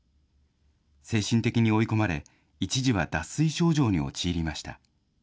精神的に追い込まれ、一時は脱水症状に陥りました。